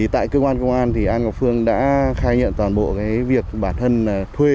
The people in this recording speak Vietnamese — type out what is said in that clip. tại cơ quan công an ngọc phương đã khai nhận toàn bộ việc bản thân thuê